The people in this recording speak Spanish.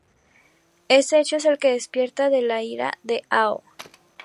Ese hecho es el que despierta la ira de Hao.